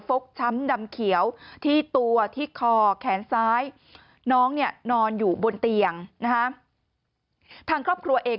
กช้ำดำเขียวที่ตัวที่คอแขนซ้ายน้องเนี่ยนอนอยู่บนเตียงนะฮะทางครอบครัวเอง